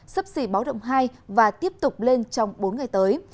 sấp xỉ báo động hai và tiếp tục lên trong bốn ngày tới